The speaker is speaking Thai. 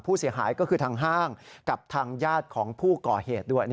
ผู้เสียหายก็คือทางห้างกับทางญาติของผู้ก่อเหตุด้วย